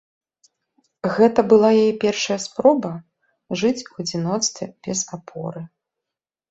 Гэта была яе першая спроба жыць у адзіноцтве без апоры.